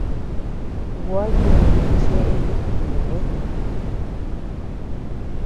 Gua yuuni cheʼe iti ñëʼe.